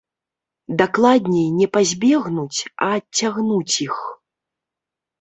Дакладней, не пазбегнуць, а адцягнуць іх.